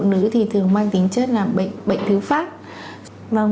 phụ nữ thì thường mang tính chất là bệnh thứ phát